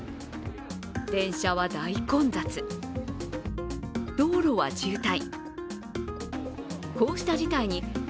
電車は大混雑、道路は渋滞。